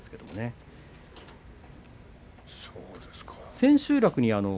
そうですか。